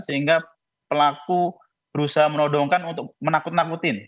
sehingga pelaku berusaha menodongkan untuk menakut nakutin